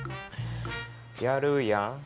やるやん。